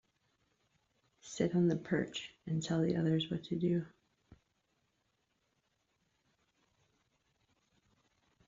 Sit on the perch and tell the others what to do.